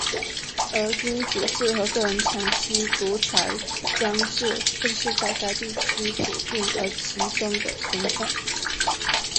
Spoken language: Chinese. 而君主制和个人长期独裁专制更是在该地区普遍而集中地存在。